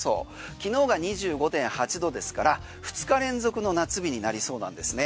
昨日が２５．８度ですから２日連続の夏日になりそうなんですね。